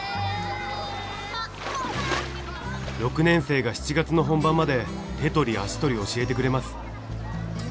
６年生が７月の本番まで手取り足取り教えてくれます。